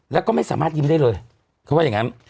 แล้วก็ไม่สามารถยิ้มได้เลยเขาว่าอย่างนั้น